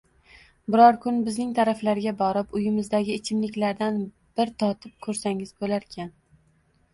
Biror kun bizning taraflarga borib, uyimizdagi ichimliklardan bir totib ko`rsangiz bo`larkan